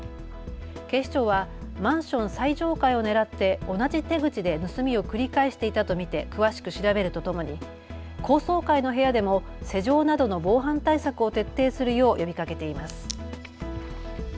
警視庁はマンション最上階を狙って同じ手口で盗みを繰り返していたと見て詳しく調べるとともに高層階の部屋でも施錠などの防犯対策を徹底するよう呼びかけています。